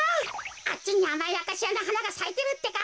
あっちにあまいアカシアのはながさいてるってか。